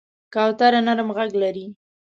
کوتره نرم غږ لري.